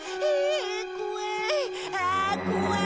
ああ怖い。